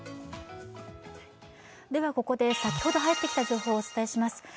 ここで先ほど入ってきた情報をお伝えします。